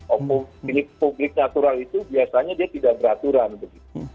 opung publik natural itu biasanya dia tidak beraturan begitu